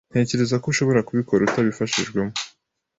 Ntekereza ko ushobora kubikora utabifashijwemo.